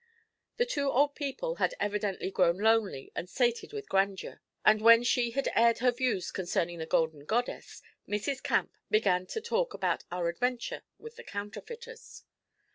The two old people had evidently grown lonely and sated with grandeur, and when she had aired her views concerning the golden goddess, Mrs. Camp began to talk about our adventure with the counterfeiters.